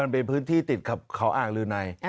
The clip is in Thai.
มันเป็นพื้นที่ติดกับเขาอ่างลือใน